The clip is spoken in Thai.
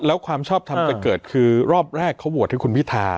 แล้วความชอบทำจะเกิดคือรอบแรกเขาโหวตให้คุณพิธา